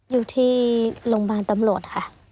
อยู่ที่โรงพยาบาลตำรวจค่ะ